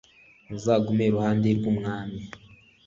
muzagume iruhande rw umwami